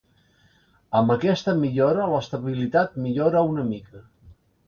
Amb aquesta millora, l'estabilitat millora una mica.